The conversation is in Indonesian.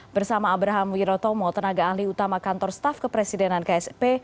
bersama abraham wirotomo tenaga ahli utama kantor staf kepresidenan ksp